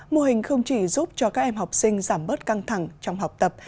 mô hình không chỉ giúp cho các em học sinh giảm bớt căng thẳng trong học tập